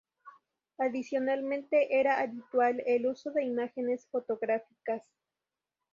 Adicionalmente era habitual el uso de imágenes fotográficas.